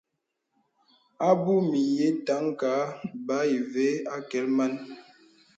A mbus mìnyè taŋ kàà bə̄ î vè akɛ̀l man.